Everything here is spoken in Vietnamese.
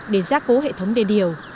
để giác cố hệ thống đề điều